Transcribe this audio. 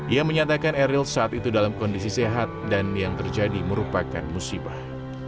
ia menyatakan eril saat itu dalam kondisi sehat dan yang terjadi merupakan musibah